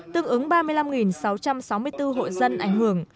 tương ứng ba mươi năm sáu trăm sáu mươi bốn hộ dân ảnh hưởng